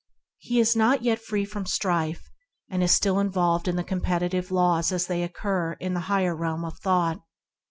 He is not yet free from strife, and is still involved in the competitive laws as they obtain in the higher realm of thought.